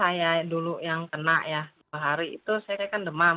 saya dulu yang kena ya dua hari itu saya kan demam